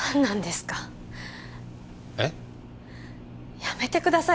やめてください